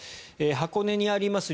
箱根にあります